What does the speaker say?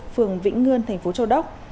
phường vĩnh ngươn tp châu đốc